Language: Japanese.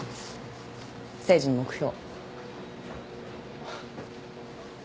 誠治の目標。